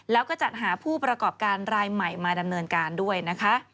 แล้วก็จัดหาผู้ประกอบการรายใหม่มาดำเนินการด้วยนะคะ